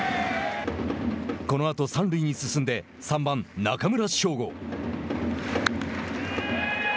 このあと三塁に進んで３番、中村奨吾。